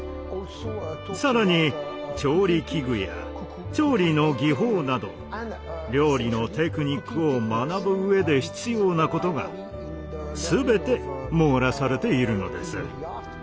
さらに調理器具や調理の技法など料理のテクニックを学ぶ上で必要なことがすべて網羅されているのです。